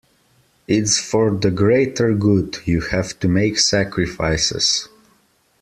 It’s for the greater good, you have to make sacrifices.